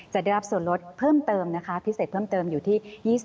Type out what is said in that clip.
จะได้รับส่วนลดเพิ่มเติมนะคะพิเศษเพิ่มเติมอยู่ที่๒๐